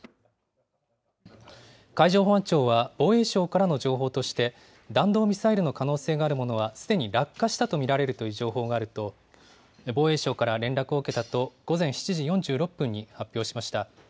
海上保安庁は防衛省からの情報として、弾道ミサイルの可能性があるものは、すでに落下したと見られるという情報があると、防衛省から連絡を受けたと、午前７時４６分に発表しました。